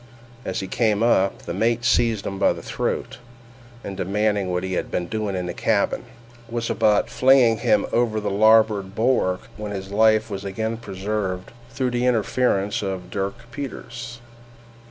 As he came up, the mate seized him by the throat, and demanding what he had been doing in the cabin, was about flinging him over the larboard bulwark, when his life was again preserved through the interference of Dirk Peters.